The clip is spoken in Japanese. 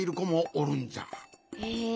へえ。